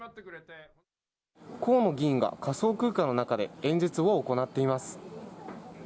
河野議員が仮想空間の中で演説を行っています。